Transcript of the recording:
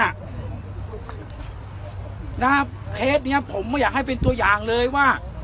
เคสนี้ผมไม่อยากให้เป็นตัวอย่างเลยว่า